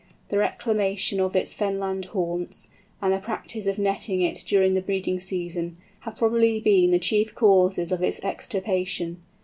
The reclamation of its fenland haunts, and the practice of netting it during the breeding season, have probably been the chief causes of its extirpation.